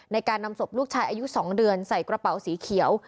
ในการนำศพลูกชายอายุ๒เดือนใส่กระเป๋าสีเขียว